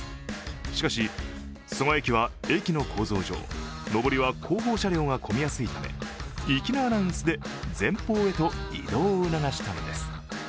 しかし、蘇我駅は駅の構造上上りは後方車両が混みやすいため粋なアナウンスで前方へと移動を促したのです。